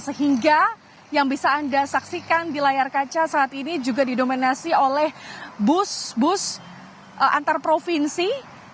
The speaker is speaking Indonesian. sehingga yang bisa anda saksikan di layar kaca saat ini juga didominasi oleh bus bus antar provinsi